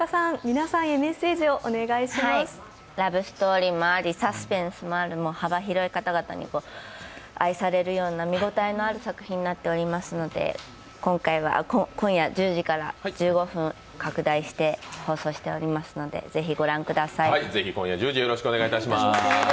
ラブストーリーもありサスペンスもあり幅広い方々に愛されるような見応えのある作品になっていますので今夜１０時から１５分拡大して放送しますので、ぜひ御覧ください。